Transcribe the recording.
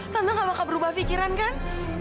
tante gak bakal berubah pikiran kan